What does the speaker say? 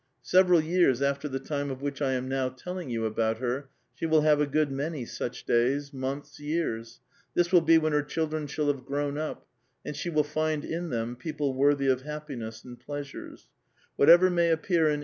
Several years after the time of which I am now telling you about her, she will bave a good many such days, months, years ; this will be when her children shall bave grown up, and she will find in them people worthy of happiness and sure of it.